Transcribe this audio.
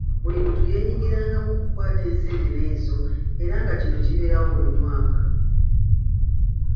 Buli muntu yeenyigirangamu okukwata enseenene ezo, era nga kino kibeerawo buli mwaka.